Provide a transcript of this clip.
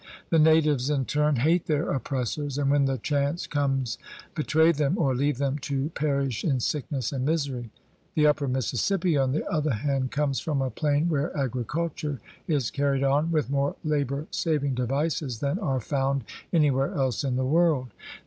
The natives in turn hate their oppressors, and when the chance comes betray them or leave them to perish in sick ness and misery. The upper Mississippi, on the other hand, comes from a plain where agriculture is carried on with more labor saving devices than are found anywhere else in the world.